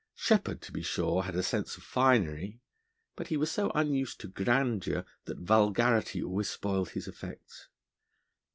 Sheppard, to be sure, had a sense of finery, but he was so unused to grandeur that vulgarity always spoiled his effects.